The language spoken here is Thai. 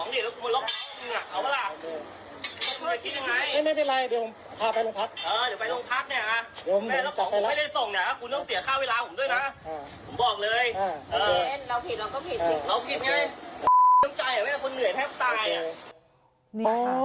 ดูผิดเจ้าพนักงานทำไม